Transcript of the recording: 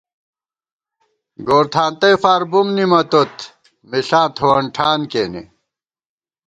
گور تھانتَئےفار بُم نِمَتوت مِݪاں تھووَن ٹھان کېنے